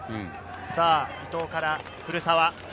伊東から古澤。